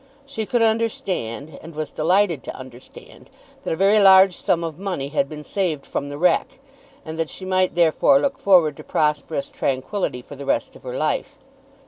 She could understand, and was delighted to understand, that a very large sum of money had been saved from the wreck, and that she might therefore look forward to prosperous tranquillity for the rest of her life.